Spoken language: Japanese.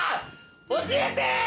教えて！